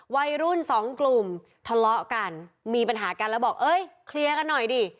วัยรุ่นสองกลุ่มทะเลาะกันมีปัญหากันแล้วบอกเอ้ยเคลียร์กันหน่อยดิ